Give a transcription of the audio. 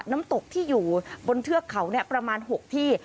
น้ำตกที่อยู่บนเทือกเขาประมาณ๖ที่